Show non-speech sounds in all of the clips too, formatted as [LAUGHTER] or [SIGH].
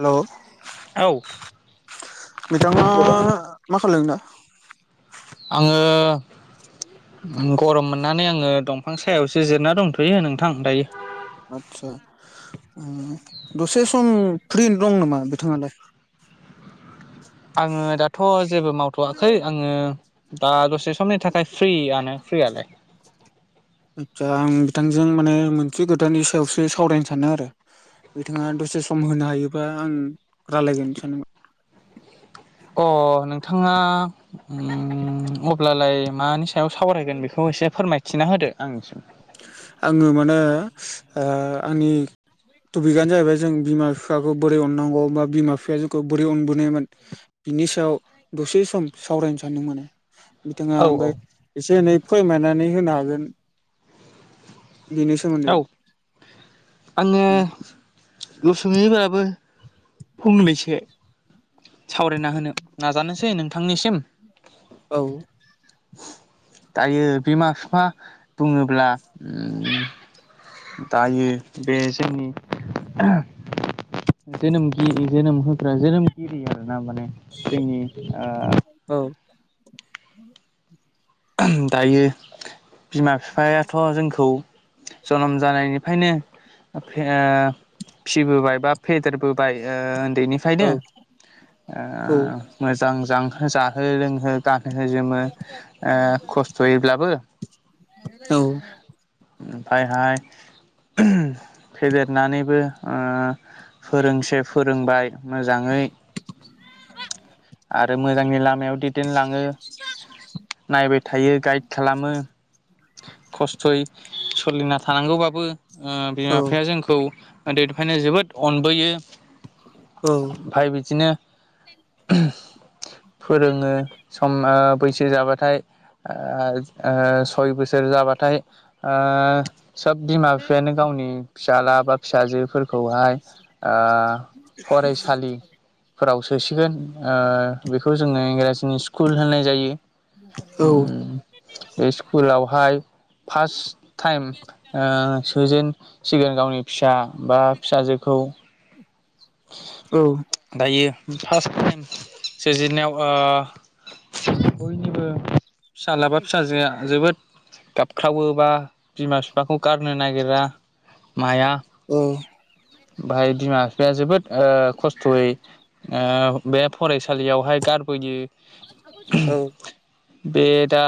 Hello औ बिथाङा मा खालाम दा आङो गरम मोननानै आङो दंफां सायावसो जिरना दंथ'यो नोंथां दायो। आदसा दसे सम फ्रि दं नामा बिथाङालाय [UNINTELLIGIBLE] आङो दाथ' जेबो मावथ'वाखै आङो दा दसे समनि थाखाय फ्र्रिआनो फ्रीयालाय गोथजों माने मोनसे गोदाननि सायावसो सावरायनो सानो आरो। बिथाङा दसे सम होनो हायोबा आं राय्लायगोन सानोमोन। अ नोंथाङा अब्लालाय मा सायाव सावरायगोन बेखौ एसे फोरमायथिना होदो आंनिसिम आङो माने आंनि टपिकआनो जाहैबाय जों बिमा बिफाखौ बोरै अनांगौ बा बिमा बिफाया जोंखौ बोरै अनबोनायोन। बिनि सायाव दसे सम सावरायनो सानदों मे बिथाङा औ औ ओमफ्राय एसे एनै फोरमायनानै होनो हागोन। बेनि सोमोन्दै औ आङो उसुमैफोराबो फुंलिसे सावरायना होनो नाजानोसै नोंथांनिसिम औ दायो बिमा बिफा बुङोब्ला दायो बे जोंनि जेनोम गि जेनोम होग्रा जेनोम कि माने जोंनि औ दायो बिमा बिफायाथ' जोंखौ जोनोम जानायनिफ्रायनो फिबोबाय बा फेदेरबोबाय उन्दैनिफ्रायनो औ औ मोजां जो जाहो लोंहो ग जोो खस्थ'यैब्लाबो औ ओमफ्रायहाय फेदेरनानैबो फोरोंसे फोरोंबाय मोजाङै आरो मोजांनि लामायाव दैदेनलाङो। नायबाय थायो गाइड खालामो। खस्थ'यै सोलिना थानांगौबाबो बिमा बिफाया जोंखौ उन्दैनिफ्रायनो जोबोद अनबोयो। औ ओमफफ्राय बिदिनो [UNINTELLIGIBLE] फोरोङो सम बैसो जाबाथाय सय बोसोर जाबाथाय सोब बिमा बिफायानो गावनि फिसाला बा फिसाजोफोरखौहाय फरायसालिफोराव सोसिगोन बेखौ जोङो इंराजिनि स्कुल होननाय जायो बे दावहाय फार्स्ट टाइम सोजेनसिगोन गावनि फिसा बा फिसाजोखौ औ दायो फार्स्ट टाइम सोजेननायाव बयनिबो फिसाज्लाबा फिसाजोआ जोबोद गाबख्रावोबा बिमा बिफाखौ गारनो नागिरा माया औ बाहाय बिमा बिफाया जोबोद खस्थ'यै बे फरायसालियावहाय गारबोयो बे दा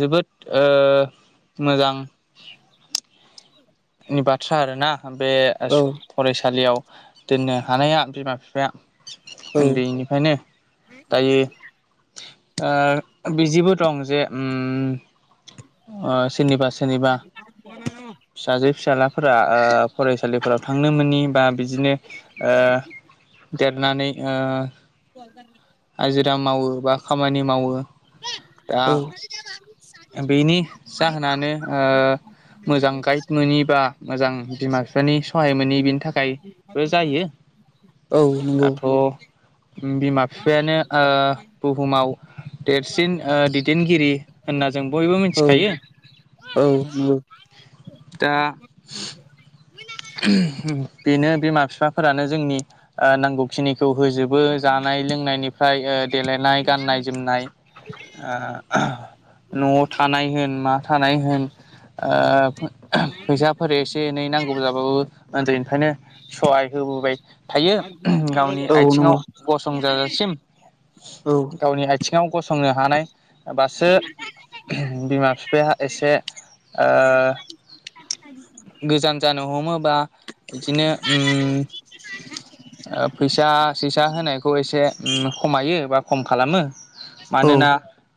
जोबोद मोजां नि बाथ्रा आरोना बे फरायसालियाव दोननो हानाया बिमा बिफाया उन्दैनिफ्रायनो दायो बिदिबो दं जे सोरनिबा सोरनिबा फिसाजो फिसाजलाफोरा फरायसालिफोराव थांनो मोनि बा बिदिनो [INAUDIBLE] देरनानै हाजिरा मावो बा खामानि मावो दा औ बेनि जाहोनानो मोजां गाइड मोनोनि बा मोजां बिमा बिफानि सहाय मोनोनि बिनि थाखायबो जायो औ नंगौ। दाथ' बिमा बिफायानो ओ बुहुमाव देरसिन दैदेनगिरि होनना जों बयबो औ मिथिखायो। औ नंगौ दा बेनो बिमा बिफाफोरानो जोंनि नांगौखिनि खौ होजोबो जानाय लोंनायनिफ्राय ओ देलेनाय गाननाय जोमनाय ओ न'वाव थानाय होन मा थानाय होन ओ फैसाफोर एसे एनै नांगौब्लाबो उन्दैनिफ्रायनो सहाय होबोबाय थायो गावनि औ आइथिङाव नंगौ गसंजाजासिम औ गावनि आइ थिङाव गसंनो हानाय बासो बिमा बिफाया एसे ओ गोजान जा नो हमोबा इदिनो उम फैसा सैसा होनायखौ एसे खमायो बा खम खालामो। औ मानोना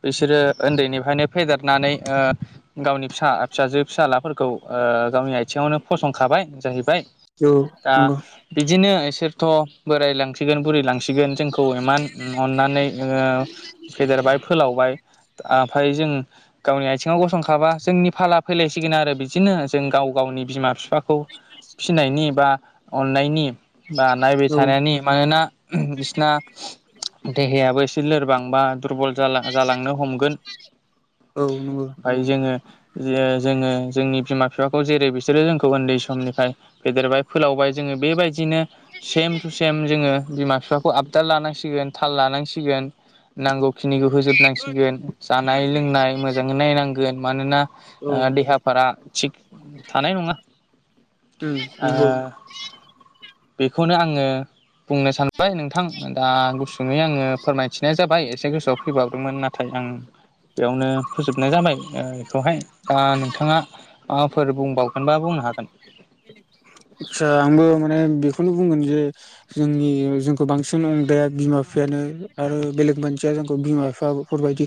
बिसोरो उन्दैनिफ्रायनो फेदेरनानै ओ गावनि फिसा फिसाजो फिसालाफोरखौ गावनि आथिङावनो फसंखाबाय जाहैबाय दा नंगौ बिदिनो सोरथ' बोरायलांसिगोन बुरैलांसिगोन जोंखौ इमान अननानै ओ फेदेरबाय फोलावबाय ओमफ्राय जों गावनि आथिङाव गसंखाबा जोंनि फाला फैलायसिगोन आरो बि दिनो जों गाव गावनि बिमा बिफाखौ फिसिनायनि बा अननायनि बा नायबाय औ थानायनि मानोना बिसना देहायाबो एसे लोरबां बा दुरबल जालांनो हमगोन। उम ओफाय जोङो जोङो जोंनि बिमा बिफाखौ जेरै बिसोरो जोंखौ उन्दै समनिफ्राय फेदेरबाय फोलावबाय जोङो बेबायदिनो सेम टु सेम जोङो बिमा बिफाखौ आपडा लानांसिगोन जों थाल लानांसिगोन। नांगौ खिनिखौ होजोबनांसिगोन जानाय लोंनाय मोजाङै नायनांगोन मानोना ओ देहाफोरा थिग थानाय नङा। उम नोंंगौ ओ बेखौनो आङो बुंनो सानबाय नोंथां दा गुसुङै आङो फोरमायथिनाय जाबाय एसे गोसोआव फैबावदोंमोन नाथाय आं बेयावनो फोजोबनाय जाबाय बेखौहाय दा नोंथाङा माबाफोर बुंबाव गोनबा बुंनो हा जा मुं [UNINTELLIGIBLE] माने बेखौनो बुंगोन जे जोंनि जोंखौ बांसिन अनग्राया बिमा बिफायानो आरो बेले गुबुन मानसिया बिमा बिफाफोरबायदि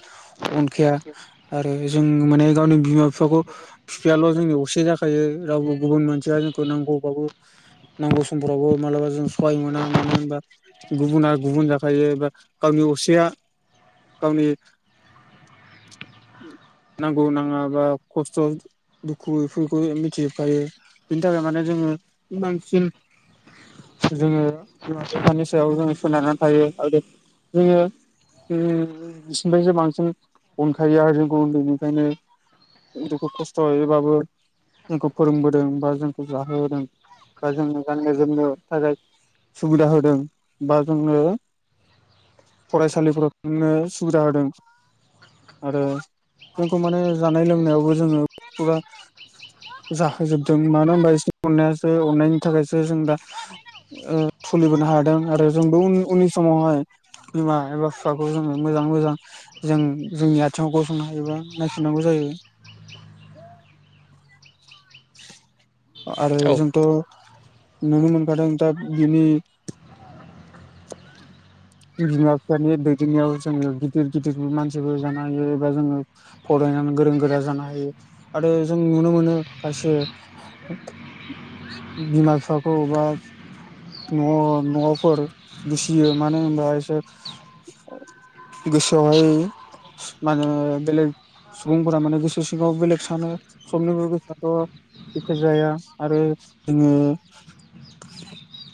अनखाया आरो जों माने गावनि बिमा [UNINTELLIGIBLE] फिफांखौ बिफायाल' जोंनि असे जाखायो। रावबो गुबुन मानसिया जोंखौ नांगौबाबो नांगौ समफोरावबो मालाबा जों सहाय मोना मानो ओनबा गुबुना गुबुन जाखायो बा गावनि असेया गावनि नांगौ नाङा बा खस्थ' दुखु बेफोरखौ मिथि खायो बिनि थाखाय माने जोङो बांसिन जोङो बिमा बिफानि सायाव जो सोनारनानै थायो आरो जोङो बिसिनिफ्रायसो बांसिन अनखायो आरो जों उन्दैनिफ्रायनो दुखुु खस्थ'यैबाबो जोंखौ फोरोंबोदों बा जोंखौ जाहोबोदों बा जों गाननो जोमनो थाखाय सुबिदा होदों बा जोनो फरायसालिफोराव थांनो सुबिदा होदों। आरो जोंथ' माने जानाय लोंनायावबो जोङो फुरा जाहोजोबदों मानो होनबा [UNINTELLIGIBLE] अननायासो अननायनि थाखायसो जों दा [UNINTELLIGIBLE] हादों आरो जोंबो उननि समावहाय बिमा एबा बिफाखौ जोङो मोजाङै मोजां जों जोंनि आथिङाव गसंनो हायोबा नायफनांगौ जायो [UNINTELLIGIBLE] [UNINTELLIGIBLE] आरो औ जोंथ' नुनो मोनखादों दा बिनि बिमा बिफानि दैदेननायाव जोङो गिदिर गिदिर मानसिबो जानो हायो एबा जोङो फराय नानै गोरों गोरा जानो हायो आरो जों नुनो मोनो खायसे बिमा बिफाखौ एबा न नवावफोर दुसियो मानो होनबा इसोर गोसोआवहाय माने बेलेग सुबुंफोरा माने गोसो सिगाङाव बेलेग सानो समनिबो गोसोआथ' एखे जाया आरो जोङो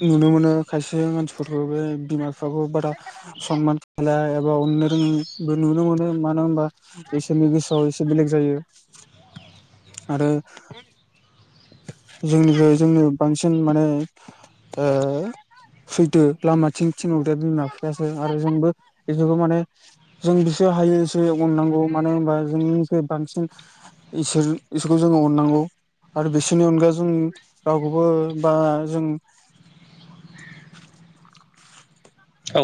नुनो मोनो खायसे मानसिफोरखौ बे बिमा बिफाखौ बारा सनमान होया एबा अननो रोङै बेदिबो नुनो मोनो मानो होनबा बिसोर नि गोसोआव एसे बेले जायो आरो जोंनिफ्राय जोंनो बांसिन माने सैथो लामाथिं थिनदो बिमा बिफायासो आरो जोंबो बेसोरखौ माने जों जेसे हायो बेसे अननांगौ मानो होनबा जोंनिफ्राय बांसिन इसोर इसोरखौ जोंङो अननांगौ आरो बिसोरनि अनगा जों रावखौबो बा जों औ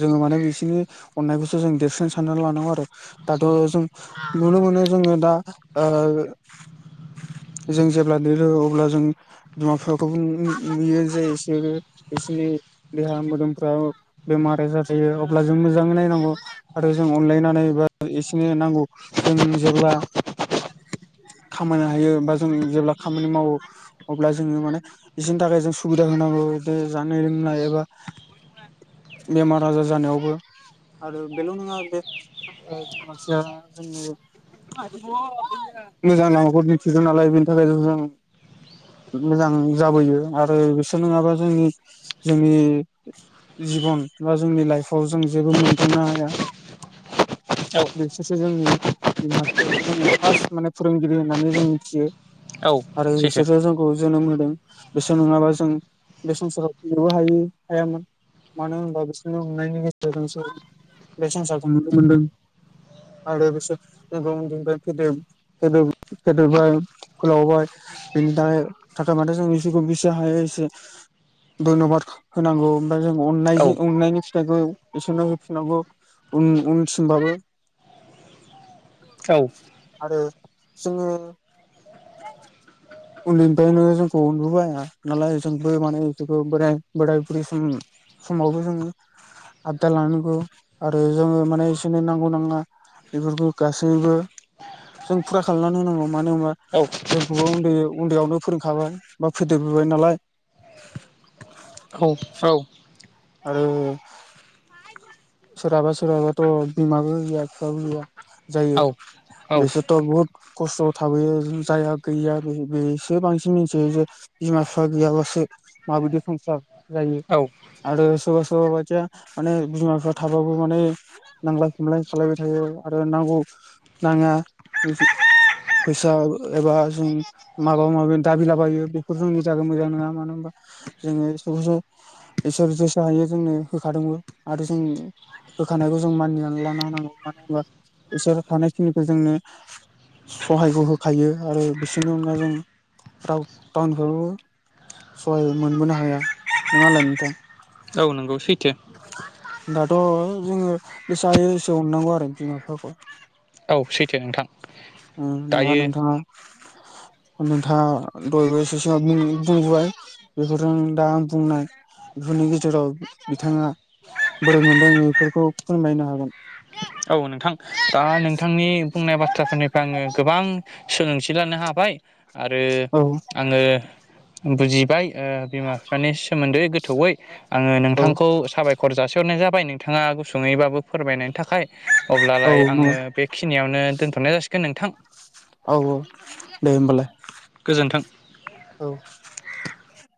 जोङो माने बिसनि अननायखौसो जों देरसिन साननानै लानांगौ आरो दाथ' जों नुनो मोनो मोनो जोङो दा ओ जों जेब्ला लिरो अब्ला जों बिमा बिफाखौ नुयो जे इसोरो इसोरनि देहा मोदोमफ्राव बेमार आजार जायो अब्ला जों मोजाङै नायनांगौ आरो जों अनलायनानै बा इसिनो नांगौ। जों जेब्ला खामायनो हायो बा जों जेब्ला खामानि मावो अब्ला जोङो माने बिसिनि थाखाय जों सुबिदा होनांगौ जे जानाय लोंनाय एबा बेमार आजार जानायावबो आरो बेल' नोङा [UNINTELLIGIBLE] मोजां लामाखौ दिन्थिदों नालाय बेनि थाखायथ' जों मोजां जाबोयो आरो बिसोर नङाबा जोंनि जोंनि जिबन बा जोंनि लाइफआव जों जेबो मोनदांनो हाया। औ बेसोरसो जोंनि बिमा बिफायासो‌ जोंनि फार्स्ट माने फोरोंगिरि होननानै जों मिथियो। औ आरो सैथो इसोर जोंखौ जोनोम होदो। बिसोर नङाबा जों बे संसाराव [UNINTELLIGIBLE] बो हायो हायामोन। मानो होनबा बिसोरनि अननायनि गेजेर बे संसारखौ नुनो मोनदों। आरो बिसोर जोंखौ उन्दैफ्रायनो फेदेर फेदेरबाय फोलावबाय। बेनि थाखाय थाखाय जों बिसोरखौ बेसे हायो एसे। धयन'बाद होनांगौ ओमफ्राय जों औ अनायजों अननायनि फिथाइखौ बेसोरनो होफिननांगौ उन उनसिम बाबो औ जोङो उन्दैनिफ्रायनो जोंखौ अबोबाया नालाय जोंबो मानेखौ बोराय बोराय बुरै सम समावबो जोङो आबदाल लानांगौ आरो जोङो माने इसिनि नांगौ नाङा बेफोरखौ गासैबो जों फुरा खालामनानै होनांगौ मानो होनबा औ जोंखौबो उन्दै उन्दैयावनो फोरोंखाबाय बा फेदेरबो गय नालाय औ औ आरो सोरहाबा सोरहाबाथ' बिमाबो गैया बिफाबो गैया जायो। औ औ बेसे बहुत खस्थ'आव थाबोयो जाया गैया बेसो बांसिन मिथियो जे बिमा बिफा गैयाबासो माबायदि संसार जायो। औ आरो सोरबा सोरबा बायदिया माने बिमा बिफ्रा थाबाबो माने नांजलाय खमलाय खालामलायबाय थायो। आरो नांगौ नाङा फैसा एबा जों माबा माबि दाबिलाबायो बेफोर जोंनि थाखाय मोजां नङा मानो होनबा जोङो स' इसोर जोसाो हायो जोंनो होखादोंबो आरो जों होखानायखौ जों मानिनानै लाना होनांगौ बिसोर थानायखिनिखौ जोंनो सहायखौ होखायो आरो बिसोरनि उनाव जों टाउनफ्रबो सहाय मोनबोनो हाया नङालाय नोंथां औ नंगौै। दाथ' जोङो बेसेायो एसे अननांगौ आरो बिमा बिफाखौ औ सैथो नोंथां दा दायो नोंथाङा नोंथाङ दय बोसो सिमाव बुंबोबाय बेफोरजों दा आं बुंनाय। बेफोरनि गेजेराव बिथाङा बोरै मोनलङ बेफोरखौ फोरमायनो हागोन। औ नोंथां दा नोंथांनि बुंनाय बाथ्राफोरनिफ्राय आङो गोबां सोलोंथि लानो हाबाय आरो औ आङो बुजिबाय बिमा बिफानि सोमोन्दै गोथौयै आङो औ नोंथांखौ साबायखर जासिहरनाय जाबाय नोंथाङा गुसुङैबाबो फोरमायनायनि थाखाय औ अब्लालाय नंगौ आङो बेखिनियावनो दोनथ'नाय जासिगोन नोंथां औ औ दे होमबालाय गोजोन्थों औ